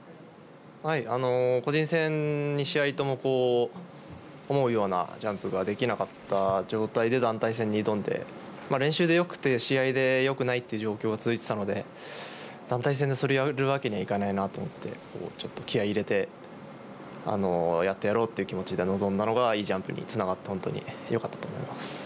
個人戦、２試合とも思うようなジャンプができなかった状態で、団体戦に挑んで、練習でよくて、試合でよくないという状態が続いてたので、団体戦でそれやるわけにはいかないなと思って、ちょっと気合い入れて、やってやろうっていう気持ちで臨んだのが、いいジャンプにつながったのがよかったと思います。